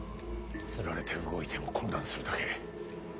つられて動いても混乱するだけ。